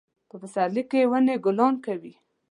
په پسرلي کې ونې ګلان کوي